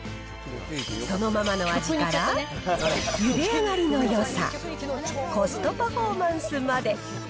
そのままの味から、ゆで上がりのよさ、コストパフォーマンスまで。